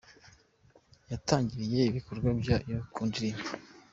yatangiriye ibikorwa byayo ku ndirimo .